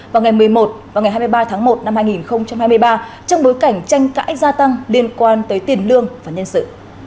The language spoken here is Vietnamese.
vào ngày một mươi một và ngày hai mươi ba tháng một năm hai nghìn hai mươi ba trong bối cảnh tranh cãi gia tăng liên quan tới tiền lương và nhân sự